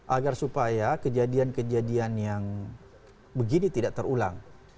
agar supaya kejadian kejadian yang begini tidak terulang